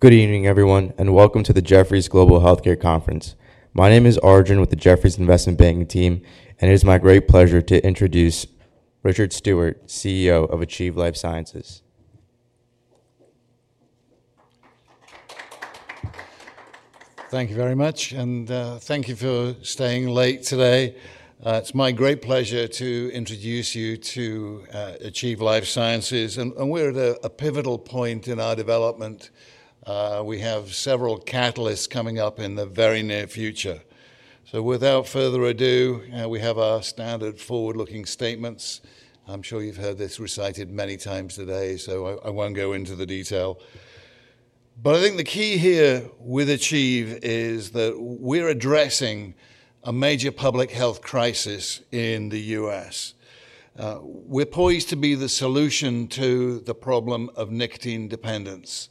Good evening, everyone, and welcome to the Jefferies Global Healthcare Conference. My name is Arjun with the Jefferies Investment Banking Team, and it is my great pleasure to introduce Richard Stewart, CEO of Achieve Life Sciences. Thank you very much, and thank you for staying late today. It's my great pleasure to introduce you to Achieve Life Sciences, and we're at a pivotal point in our development. We have several catalysts coming up in the very near future. Without further ado, we have our standard forward-looking statements. I'm sure you've heard this recited many times today, so I won't go into the detail. I think the key here with Achieve is that we're addressing a major public health crisis in the U.S. We're poised to be the solution to the problem of nicotine dependence,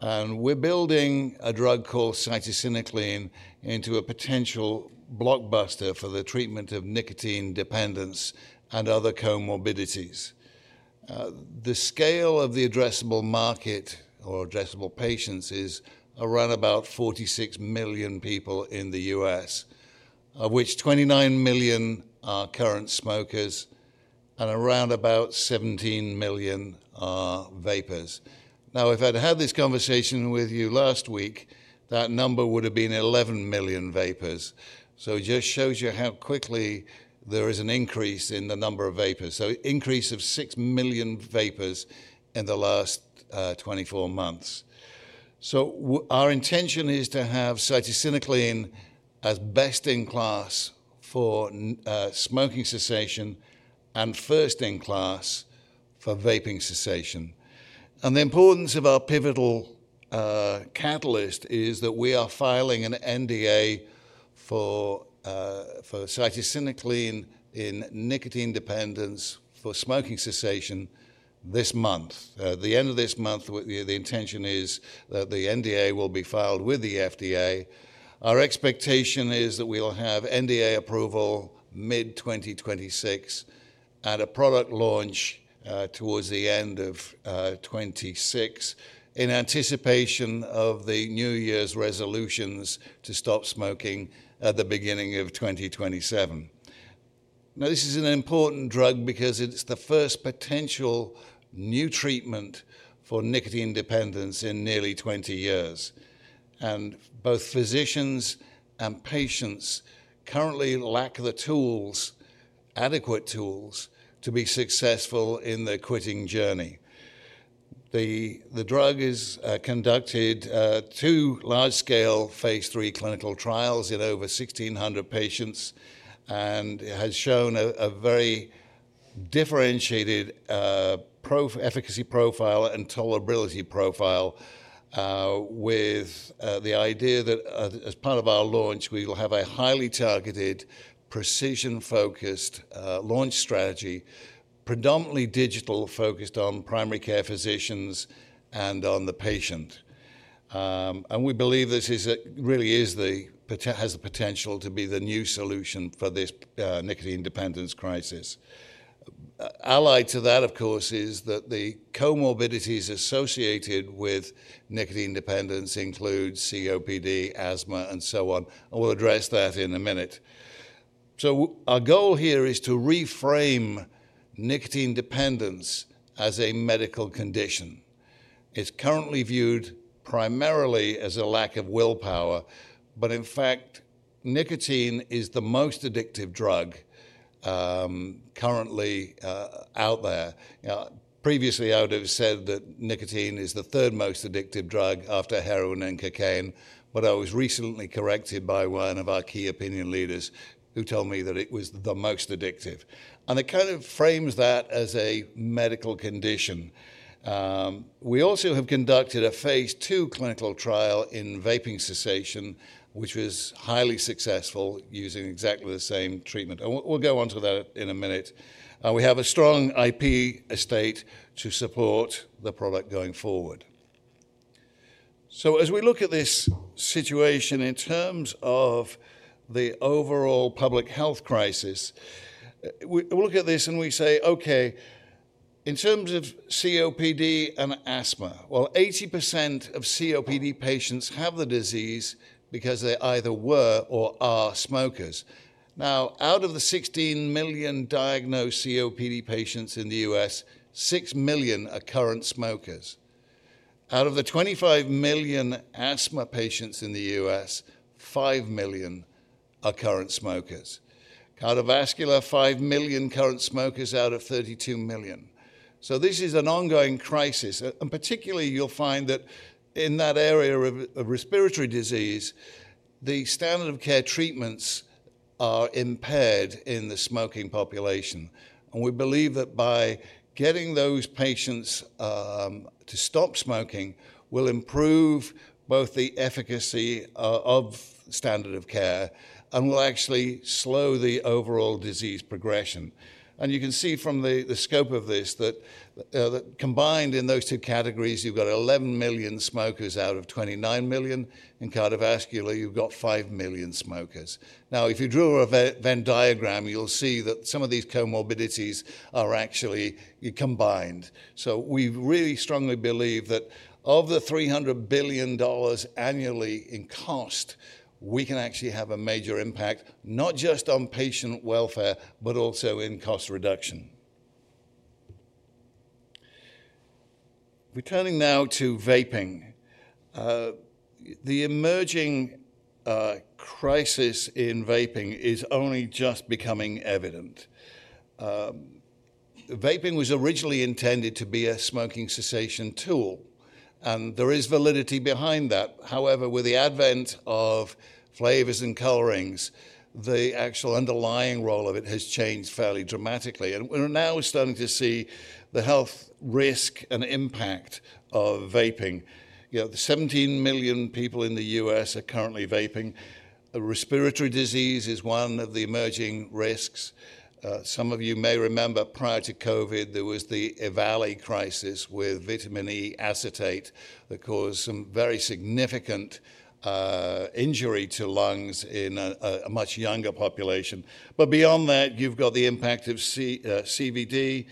and we're building a drug called Cytisinicline into a potential blockbuster for the treatment of nicotine dependence and other comorbidities. The scale of the addressable market, or addressable patients, is around about 46 million people in the U.S., of which 29 million are current smokers and around about 17 million are vapers. Now, if I'd had this conversation with you last week, that number would have been 11 million vapers. It just shows you how quickly there is an increase in the number of vapers, so an increase of 6 million vapers in the last 24 months. Our intention is to have cytisinicline as best in class for smoking cessation and first in class for vaping cessation. The importance of our pivotal catalyst is that we are filing an NDA for cytisinicline in nicotine dependence for smoking cessation this month. At the end of this month, the intention is that the NDA will be filed with the FDA. Our expectation is that we'll have NDA approval mid-2026 and a product launch towards the end of 2026 in anticipation of the New Year's resolutions to stop smoking at the beginning of 2027. Now, this is an important drug because it's the first potential new treatment for nicotine dependence in nearly 20 years, and both physicians and patients currently lack the tools, adequate tools, to be successful in the quitting journey. The drug has conducted two large-scale phase three clinical trials in over 1,600 patients, and it has shown a very differentiated efficacy profile and tolerability profile, with the idea that as part of our launch, we will have a highly targeted, precision-focused launch strategy, predominantly digital, focused on primary care physicians and on the patient. We believe this really has the potential to be the new solution for this nicotine dependence crisis. Allied to that, of course, is that the comorbidities associated with nicotine dependence include COPD, asthma, and so on. I will address that in a minute. Our goal here is to reframe nicotine dependence as a medical condition. It's currently viewed primarily as a lack of willpower, but in fact, nicotine is the most addictive drug currently out there. Previously, I would have said that nicotine is the third most addictive drug after heroin and cocaine, but I was recently corrected by one of our key opinion leaders who told me that it was the most addictive. It kind of frames that as a medical condition. We also have conducted a phase two clinical trial in vaping cessation, which was highly successful using exactly the same treatment. We'll go on to that in a minute. We have a strong IP estate to support the product going forward. As we look at this situation in terms of the overall public health crisis, we look at this and we say, okay, in terms of COPD and asthma, 80% of COPD patients have the disease because they either were or are smokers. Out of the 16 million diagnosed COPD patients in the U.S., 6 million are current smokers. Out of the 25 million asthma patients in the U.S., 5 million are current smokers. Cardiovascular, 5 million current smokers out of 32 million. This is an ongoing crisis, and particularly you'll find that in that area of respiratory disease, the standard of care treatments are impaired in the smoking population. We believe that by getting those patients to stop smoking, we'll improve both the efficacy of standard of care and we'll actually slow the overall disease progression. You can see from the scope of this that combined in those two categories, you've got 11 million smokers out of 29 million. In cardiovascular, you've got 5 million smokers. If you draw a Venn diagram, you'll see that some of these comorbidities are actually combined. We really strongly believe that of the $300 billion annually in cost, we can actually have a major impact, not just on patient welfare, but also in cost reduction. Returning now to vaping, the emerging crisis in vaping is only just becoming evident. Vaping was originally intended to be a smoking cessation tool, and there is validity behind that. However, with the advent of flavors and colorings, the actual underlying role of it has changed fairly dramatically. We're now starting to see the health risk and impact of vaping. You know, 17 million people in the U.S. are currently vaping. Respiratory disease is one of the emerging risks. Some of you may remember prior to COVID, there was the EVALI crisis with vitamin E acetate that caused some very significant injury to lungs in a much younger population. Beyond that, you've got the impact of CVD.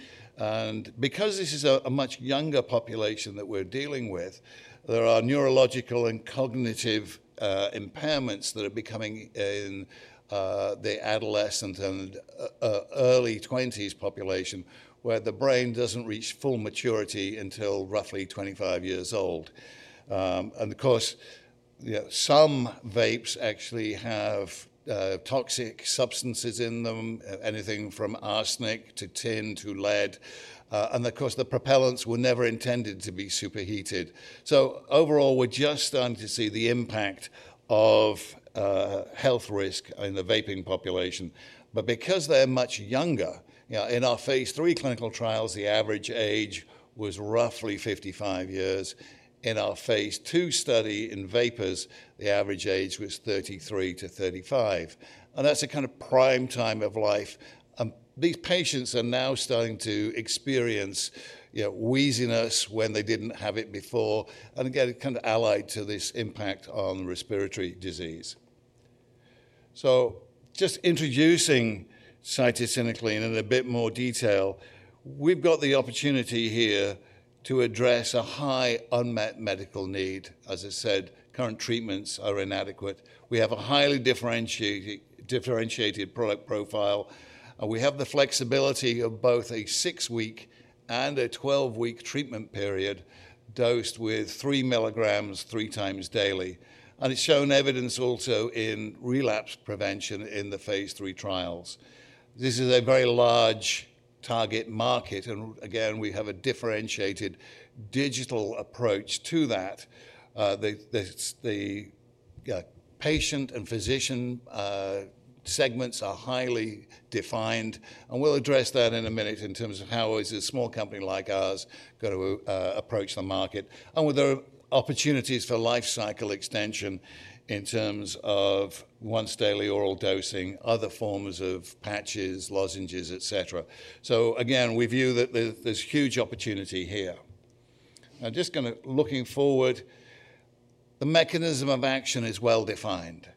Because this is a much younger population that we're dealing with, there are neurological and cognitive impairments that are becoming in the adolescent and early 20s population, where the brain doesn't reach full maturity until roughly 25 years old. Of course, some vapes actually have toxic substances in them, anything from arsenic to tin to lead. The propellants were never intended to be superheated. Overall, we're just starting to see the impact of health risk in the vaping population. Because they're much younger, in our phase 3 clinical trials, the average age was roughly 55 years. In our phase two study in vapers, the average age was 33-35. That's a kind of prime time of life. These patients are now starting to experience wheeziness when they did not have it before, and get kind of allied to this impact on respiratory disease. Just introducing cytisinicline in a bit more detail, we've got the opportunity here to address a high unmet medical need. As I said, current treatments are inadequate. We have a highly differentiated product profile, and we have the flexibility of both a six-week and a 12-week treatment period dosed with 3 milligrams three times daily. It's shown evidence also in relapse prevention in the phase three trials. This is a very large target market, and again, we have a differentiated digital approach to that. The patient and physician segments are highly defined, and we'll address that in a minute in terms of how is a small company like ours going to approach the market, and were there opportunities for life cycle extension in terms of once-daily oral dosing, other forms of patches, lozenges, et cetera. Again, we view that there's huge opportunity here. Now, just kind of looking forward, the mechanism of action is well defined.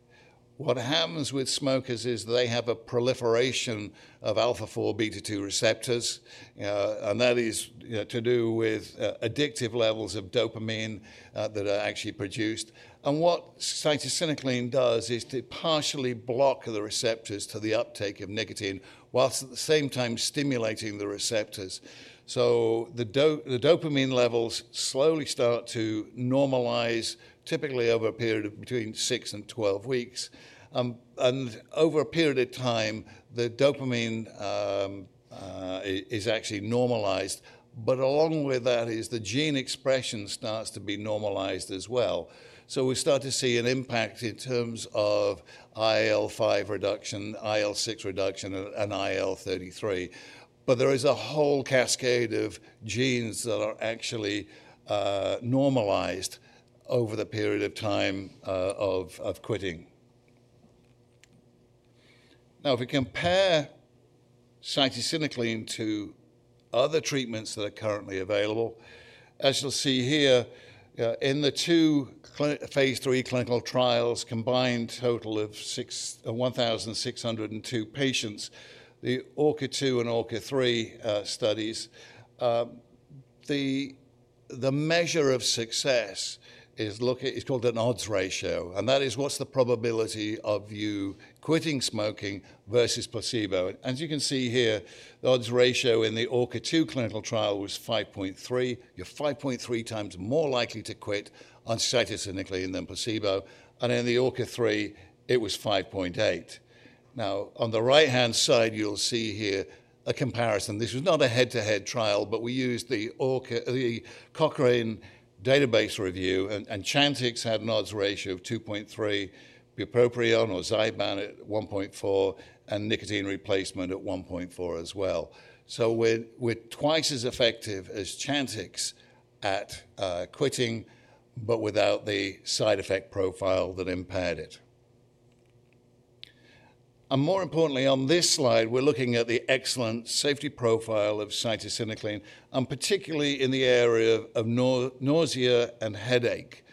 What happens with smokers is they have a proliferation of alpha-4 beta-2 receptors, and that is to do with addictive levels of dopamine that are actually produced. What cytisinicline does is to partially block the receptors to the uptake of nicotine, whilst at the same time stimulating the receptors. The dopamine levels slowly start to normalize, typically over a period of between 6 and 12 weeks. Over a period of time, the dopamine is actually normalized, but along with that is the gene expression starts to be normalized as well. We start to see an impact in terms of IL-5 reduction, IL-6 reduction, and IL-33. There is a whole cascade of genes that are actually normalized over the period of time of quitting. If we compare cytisinicline to other treatments that are currently available, as you'll see here, in the two phase 3 clinical trials, combined total of 1,602 patients, the ORCA-2 and ORCA-3 studies, the measure of success is called an odds ratio, and that is what's the probability of you quitting smoking versus placebo. As you can see here, the odds ratio in the ORCA-2 clinical trial was 5.3. You're 5.3 times more likely to quit on Cytisinicline than placebo. In the ORCA-3, it was 5.8. Now, on the right-hand side, you'll see here a comparison. This was not a head-to-head trial, but we used the Cochrane database review, and Chantix had an odds ratio of 2.3, bupropion or Zyban at 1.4, and nicotine replacement at 1.4 as well. We're twice as effective as Chantix at quitting, but without the side effect profile that impaired it. More importantly, on this slide, we're looking at the excellent safety profile of cytisinicline, and particularly in the area of nausea and headache.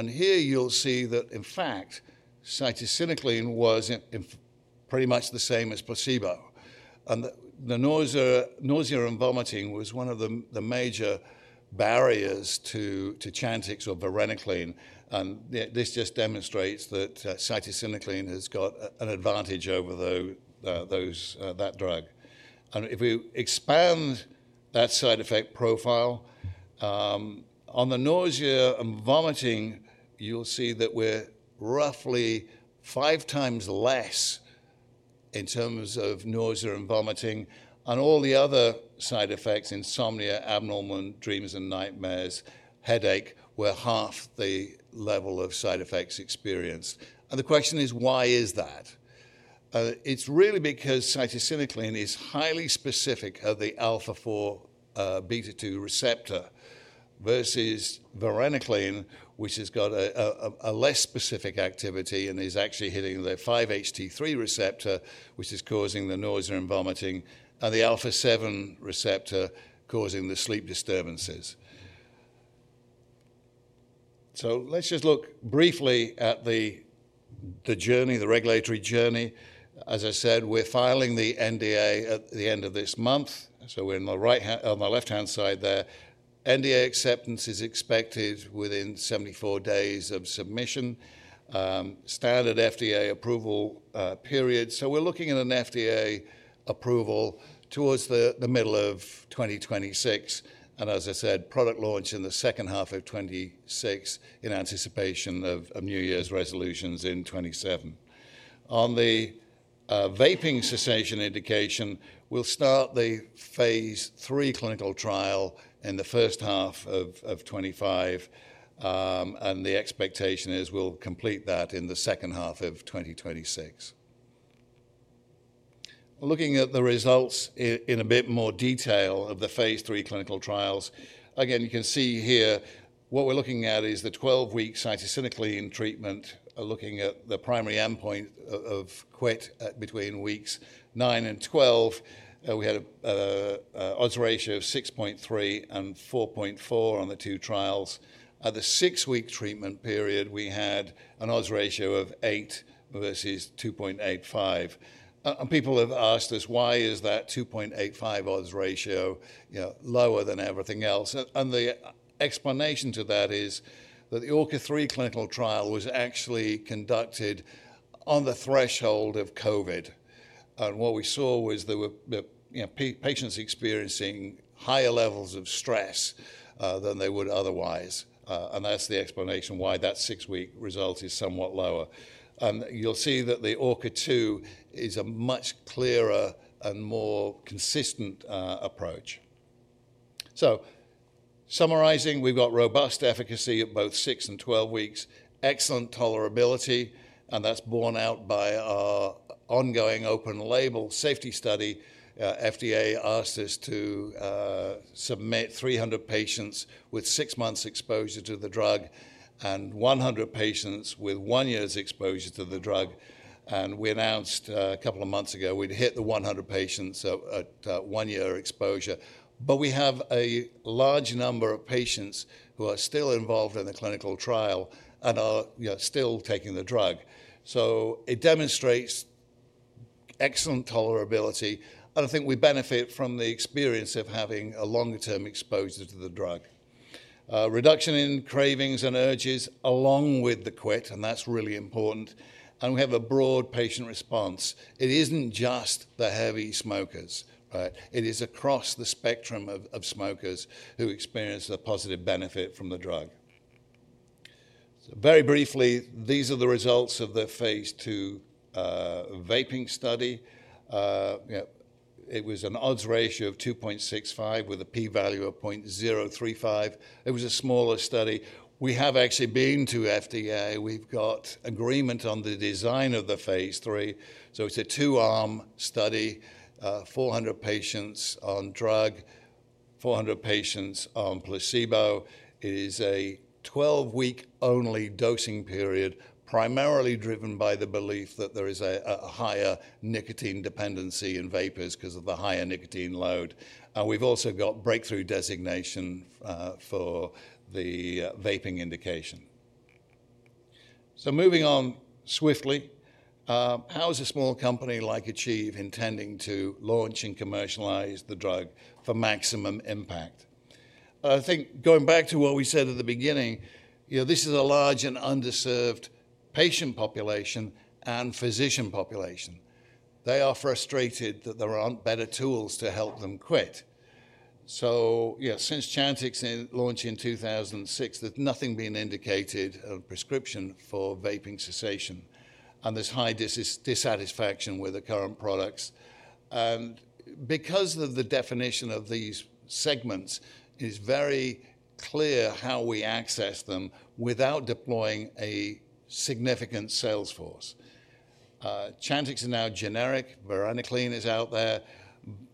Here you'll see that in fact, cytisinicline was pretty much the same as placebo. The nausea and vomiting was one of the major barriers to Chantix or varenicline. This just demonstrates that Cytisinicline has got an advantage over that drug. If we expand that side effect profile, on the nausea and vomiting, you'll see that we're roughly five times less in terms of nausea and vomiting. All the other side effects, insomnia, abnormal dreams and nightmares, headache, were half the level of side effects experienced. The question is, why is that? It's really because Cytisinicline is highly specific of the alpha-4 beta-2 receptor versus varenicline, which has got a less specific activity and is actually hitting the 5-HT3 receptor, which is causing the nausea and vomiting, and the alpha-7 receptor causing the sleep disturbances. Let's just look briefly at the journey, the regulatory journey. As I said, we're filing the NDA at the end of this month. We're on the left-hand side there. NDA acceptance is expected within 74 days of submission, standard FDA approval period. We're looking at an FDA approval towards the middle of 2026. As I said, product launch in the second half of 2026 in anticipation of New Year's resolutions in 2027. On the vaping cessation indication, we'll start the phase three clinical trial in the first half of 2025. The expectation is we'll complete that in the second half of 2026. Looking at the results in a bit more detail of the phase three clinical trials, again, you can see here what we're looking at is the 12-week Cytisinicline treatment, looking at the primary endpoint of quit between weeks nine and 12. We had an odds ratio of 6.3 and 4.4 on the two trials. At the six-week treatment period, we had an odds ratio of eight versus 2.85. People have asked us, why is that 2.85 odds ratio lower than everything else? The explanation to that is that the ORCA-3 clinical trial was actually conducted on the threshold of COVID. What we saw was there were patients experiencing higher levels of stress than they would otherwise. That is the explanation why that six-week result is somewhat lower. You will see that the ORCA-2 is a much clearer and more consistent approach. Summarizing, we have got robust efficacy at both six and 12 weeks, excellent tolerability. That is borne out by our ongoing open label safety study. FDA asked us to submit 300 patients with six months exposure to the drug and 100 patients with one year's exposure to the drug. We announced a couple of months ago we had hit the 100 patients at one year exposure. We have a large number of patients who are still involved in the clinical trial and are still taking the drug. It demonstrates excellent tolerability. I think we benefit from the experience of having a longer-term exposure to the drug. Reduction in cravings and urges along with the quit, and that's really important. We have a broad patient response. It isn't just the heavy smokers, right? It is across the spectrum of smokers who experience a positive benefit from the drug. Very briefly, these are the results of the phase two vaping study. It was an odds ratio of 2.65 with a p-value of 0.035. It was a smaller study. We have actually been to FDA. We've got agreement on the design of the phase three. It is a two-arm study, 400 patients on drug, 400 patients on placebo. It is a 12-week only dosing period, primarily driven by the belief that there is a higher nicotine dependency in vapers because of the higher nicotine load. We have also got breakthrough designation for the vaping indication. Moving on swiftly, how is a small company like Achieve intending to launch and commercialize the drug for maximum impact? I think going back to what we said at the beginning, this is a large and underserved patient population and physician population. They are frustrated that there are not better tools to help them quit. Since Chantix launched in 2006, there has been nothing indicated or prescribed for vaping cessation. There is high dissatisfaction with the current products. Because of the definition of these segments, it is very clear how we access them without deploying a significant sales force. Chantix is now generic. Varenicline is out there.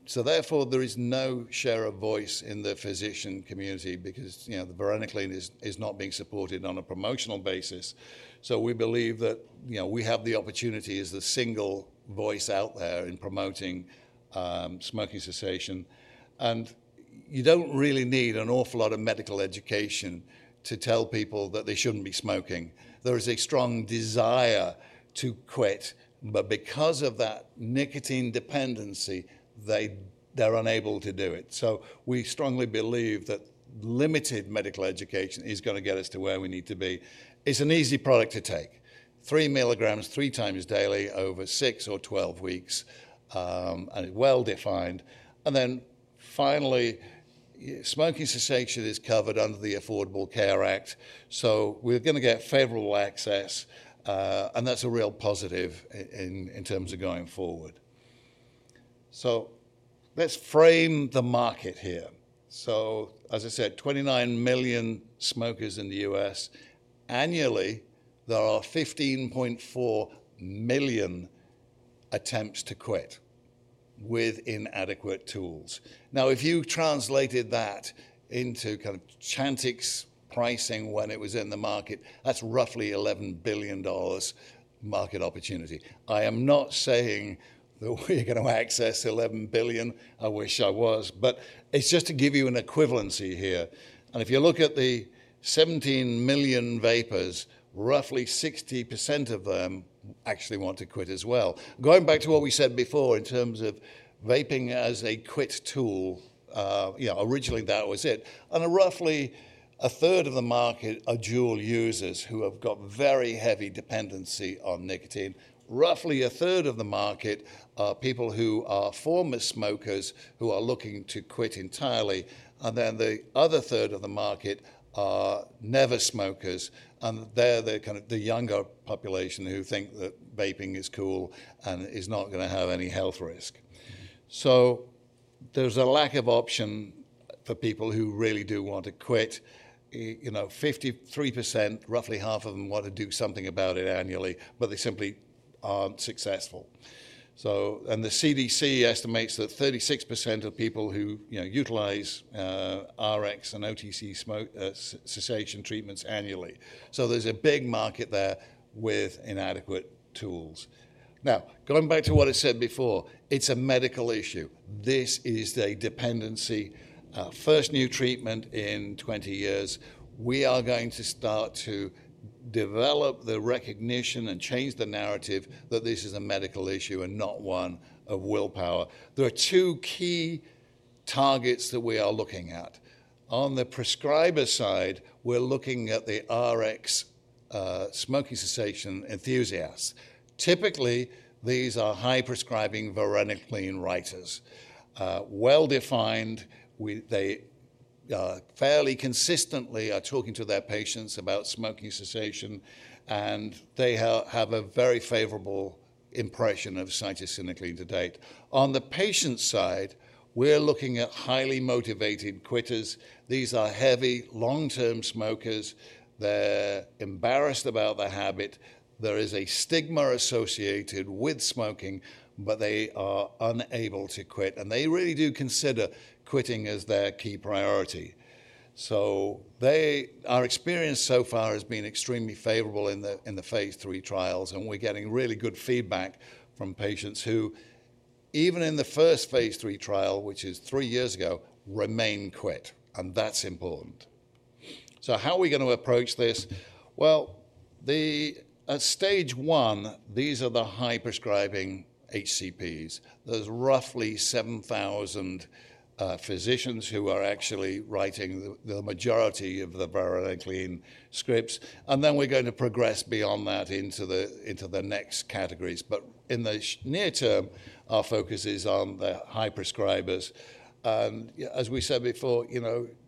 Therefore, there is no share of voice in the physician community because the varenicline is not being supported on a promotional basis. We believe that we have the opportunity as the single voice out there in promoting smoking cessation. You don't really need an awful lot of medical education to tell people that they shouldn't be smoking. There is a strong desire to quit, but because of that nicotine dependency, they're unable to do it. We strongly believe that limited medical education is going to get us to where we need to be. It's an easy product to take, 3 mg three times daily over six or 12 weeks, and it's well defined. Finally, smoking cessation is covered under the Affordable Care Act. We're going to get favorable access, and that's a real positive in terms of going forward. Let's frame the market here. As I said, 29 million smokers in the U.S. Annually, there are 15.4 million attempts to quit with inadequate tools. Now, if you translated that into kind of Chantix pricing when it was in the market, that's roughly $11 billion market opportunity. I am not saying that we're going to access $11 billion. I wish I was, but it's just to give you an equivalency here. If you look at the 17 million vapers, roughly 60% of them actually want to quit as well. Going back to what we said before in terms of vaping as a quit tool, originally that was it. Roughly a third of the market are dual users who have got very heavy dependency on nicotine. Roughly a third of the market are people who are former smokers who are looking to quit entirely. The other third of the market are never smokers. They're kind of the younger population who think that vaping is cool and is not going to have any health risk. There's a lack of option for people who really do want to quit. 53%, roughly half of them want to do something about it annually, but they simply aren't successful. The CDC estimates that 36% of people utilize RX and OTC cessation treatments annually. There's a big market there with inadequate tools. Now, going back to what I said before, it's a medical issue. This is a dependency. First new treatment in 20 years. We are going to start to develop the recognition and change the narrative that this is a medical issue and not one of willpower. There are two key targets that we are looking at. On the prescriber side, we're looking at the RX smoking cessation enthusiasts. Typically, these are high prescribing varenicline writers. Well defined, they fairly consistently are talking to their patients about smoking cessation, and they have a very favorable impression of cytisinicline to date. On the patient side, we're looking at highly motivated quitters. These are heavy long-term smokers. They're embarrassed about the habit. There is a stigma associated with smoking, but they are unable to quit. They really do consider quitting as their key priority. Our experience so far has been extremely favorable in the phase three trials, and we're getting really good feedback from patients who, even in the first phase three trial, which is three years ago, remain quit. That's important. How are we going to approach this? At stage one, these are the high prescribing HCPs. There's roughly 7,000 physicians who are actually writing the majority of the varenicline scripts. We are going to progress beyond that into the next categories. In the near term, our focus is on the high prescribers. As we said before,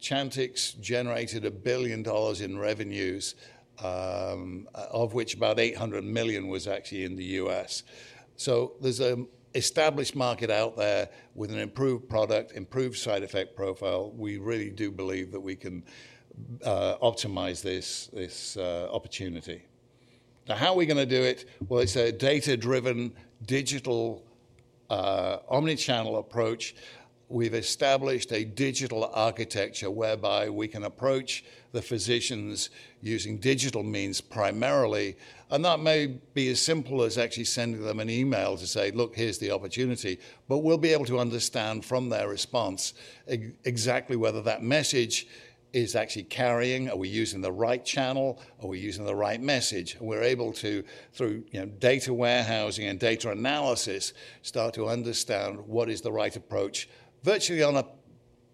Chantix generated $1 billion in revenues, of which about $800 million was actually in the U.S. There is an established market out there with an improved product, improved side effect profile. We really do believe that we can optimize this opportunity. How are we going to do it? It is a data-driven digital omnichannel approach. We have established a digital architecture whereby we can approach the physicians using digital means primarily. That may be as simple as actually sending them an email to say, "Look, here is the opportunity." We will be able to understand from their response exactly whether that message is actually carrying. Are we using the right channel? Are we using the right message? We're able to, through data warehousing and data analysis, start to understand what is the right approach virtually on a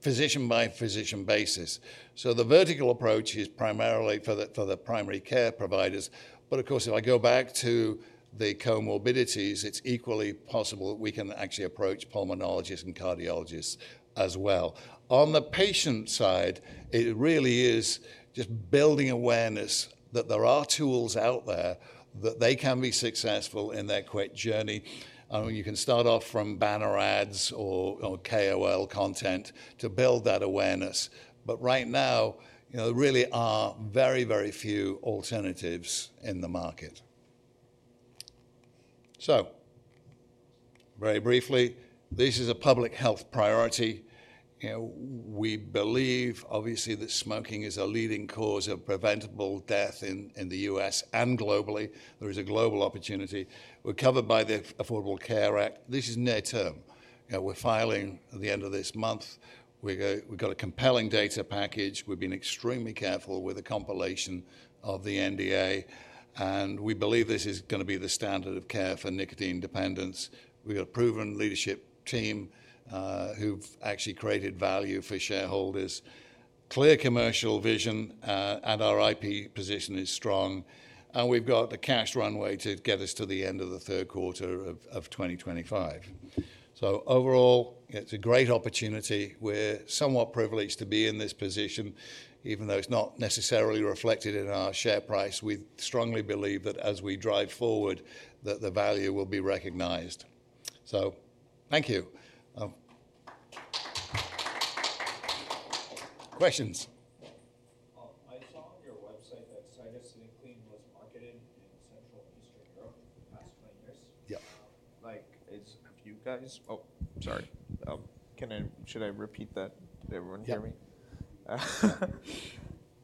physician-by-physician basis. The vertical approach is primarily for the primary care providers. Of course, if I go back to the comorbidities, it's equally possible that we can actually approach pulmonologists and cardiologists as well. On the patient side, it really is just building awareness that there are tools out there that they can be successful in their quit journey. You can start off from banner ads or KOL content to build that awareness. Right now, there really are very, very few alternatives in the market. Very briefly, this is a public health priority. We believe, obviously, that smoking is a leading cause of preventable death in the U.S. and globally. There is a global opportunity. We're covered by the Affordable Care Act. This is near term. We're filing at the end of this month. We've got a compelling data package. We've been extremely careful with the compilation of the NDA. We believe this is going to be the standard of care for nicotine dependence. We've got a proven leadership team who've actually created value for shareholders. Clear commercial vision, and our IP position is strong. We've got the cash runway to get us to the end of the third quarter of 2025. Overall, it's a great opportunity. We're somewhat privileged to be in this position, even though it's not necessarily reflected in our share price. We strongly believe that as we drive forward, the value will be recognized. Thank you. Questions? I saw on your website that Cytisinicline was marketed in Central and Eastern Europe for the past 20 years. Yeah. Have you guys—oh, sorry. Should I repeat that? Did everyone hear me?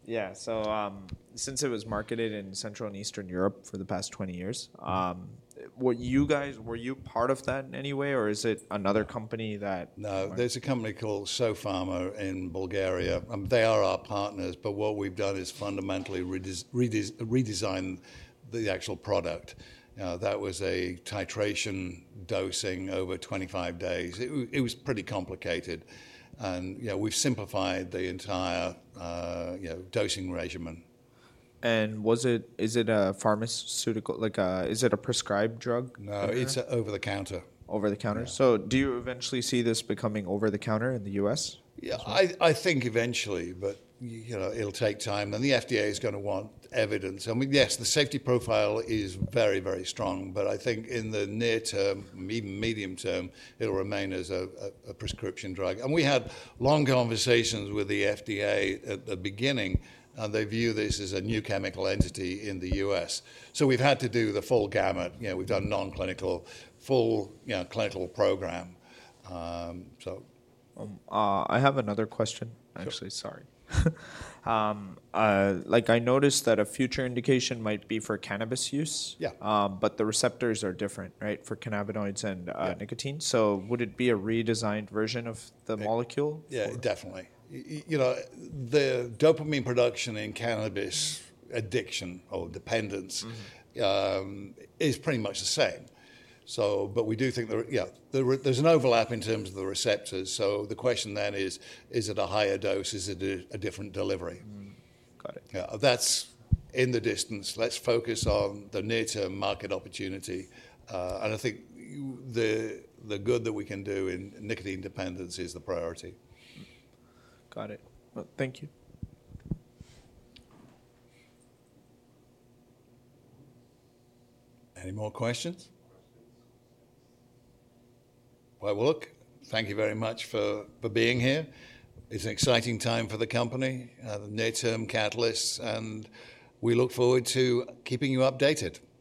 Yeah. Yeah. Since it was marketed in Central and Eastern Europe for the past 20 years, were you guys—were you part of that in any way, or is it another company that? No, there's a company called Sofarma in Bulgaria. They are our partners, but what we've done is fundamentally redesigned the actual product. That was a titration dosing over 25 days. It was pretty complicated. We have simplified the entire dosing regimen. Is it a pharmaceutical, like, is it a prescribed drug? No, it's over the counter. Over the counter. Do you eventually see this becoming over the counter in the U.S.? Yeah, I think eventually, but it'll take time. The FDA is going to want evidence. I mean, yes, the safety profile is very, very strong. I think in the near term, even medium term, it'll remain as a prescription drug. We had long conversations with the FDA at the beginning, and they view this as a new chemical entity in the U.S. We've had to do the full gamut. We've done non-clinical, full clinical program. I have another question, actually. Sorry. I noticed that a future indication might be for cannabis use. Yeah. The receptors are different, right, for cannabinoids and nicotine. So, would it be a redesigned version of the molecule? Yeah, definitely. The dopamine production in cannabis addiction or dependence is pretty much the same. We do think there's an overlap in terms of the receptors. The question then is, is it a higher dose? Is it a different delivery? Got it. Yeah, that's in the distance. Let's focus on the near-term market opportunity. I think the good that we can do in nicotine dependence is the priority. Got it. Thank you. Any more questions? Look, thank you very much for being here. It's an exciting time for the company, the near-term catalysts. We look forward to keeping you updated. Thank you.